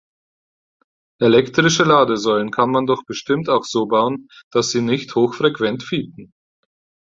Elektrische Ladesäulen kann man doch bestimmt auch so bauen, dass sie nicht hochfrequent fiepen.